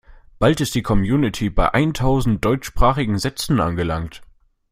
Bald ist die Community bei eintausend deutschsprachigen Sätzen angelangt.